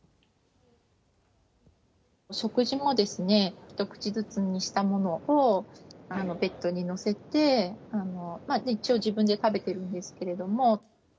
食事も一口ずつにしたものをベッドに載せて、一応自分で食べてるんですけれども。